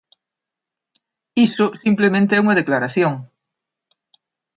Iso simplemente é unha declaración.